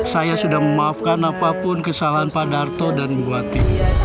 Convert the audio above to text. saya sudah memaafkan apapun kesalahan pak darto dan bupati